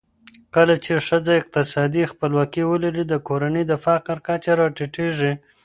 کله چي ښځه اقتصادي خپلواکي ولري، د کورنۍ د فقر کچه راټیټېږي